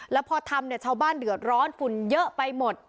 แล้วพอทำเนี่ยชาวบ้านเดือดร้อนฝุ่นเยอะไปหมด